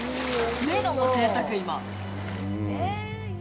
目がぜいたく、今。